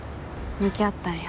向き合ったんや。